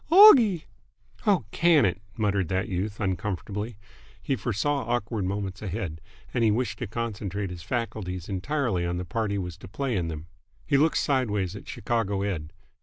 "Oggie!" "Oh, can it!" muttered that youth, uncomfortably. He foresaw awkward moments ahead, and he wished to concentrate his faculties entirely on the part he was to play in them. He looked sideways at Chicago Ed.